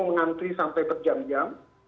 pengantri sampai berjam jam